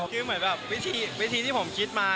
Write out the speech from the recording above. คือแบบวิธีที่ผมคิดมา